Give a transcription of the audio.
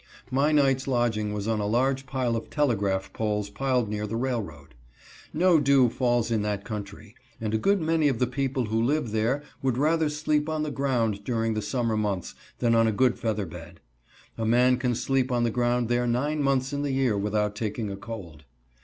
My night's lodging was on a large pile of telegraph poles piled near the railroad. No dew falls in that country and a good many of the people who live there would rather sleep on the ground during the summer months than on a good feather bed. A man can sleep on the ground there nine months in the year without taking a cold.